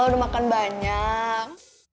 lo udah makan banyak